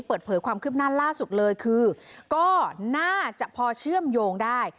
เปิดเผยความคืบหน้าล่าสุดเลยคือก็น่าจะพอเชื่อมโยงได้